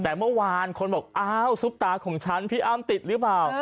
แต่เมื่อวานคนบอกอ้าวซุปตาของฉันพี่อ้ำติดหรือเปล่า